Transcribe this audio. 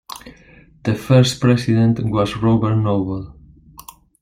The first President was Robert Noble.